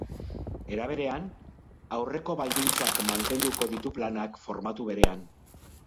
Era berean, aurreko baldintzak mantenduko ditu planak, formatu berean.